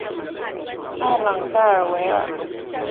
埃朗盖尔维尔。